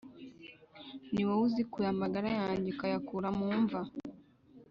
ni wowe uzikuye amagara yanjye uyakura mu mva,